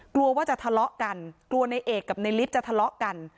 กลัวว่าจะทะเลาะกันกลัวในเอกกับในลิฟต์จะทะเลาะกัน